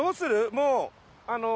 もうあの。